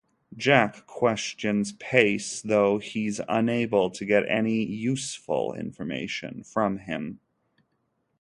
Jack questions Paice, though he is unable to get any useful information from him.